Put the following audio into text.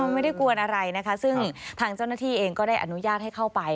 ไม่ได้กวนอะไรนะคะซึ่งทางเจ้าหน้าที่เองก็ได้อนุญาตให้เข้าไป